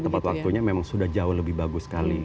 tepat waktunya memang sudah jauh lebih bagus sekali